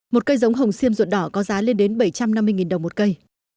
một cây giống hồng xiêm ruột đỏ có giá lên đến bảy trăm năm mươi đồng một cây